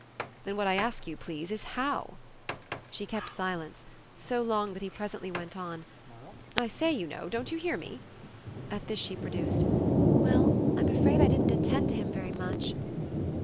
"Then what I ask you, please, is HOW?" She kept silence so long that he presently went on: "I say, you know don't you hear me?" At this she produced: "Well, I'm afraid I didn't attend to him very much."